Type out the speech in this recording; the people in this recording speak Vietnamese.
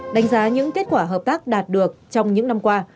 đánh giá những kết quả hợp tác đạt được trong những năm qua